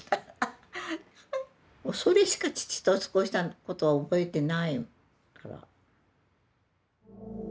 もうそれしか父と過ごしたことは覚えてないから。